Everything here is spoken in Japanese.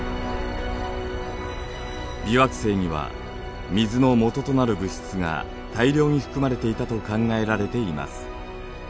微惑星には水のもととなる物質が大量に含まれていたと考えられています。